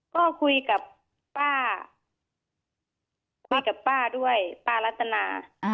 ก็คุยกับป้าคุยกับป้าด้วยป้ารัตนา